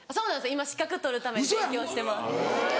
今資格取るために勉強してます。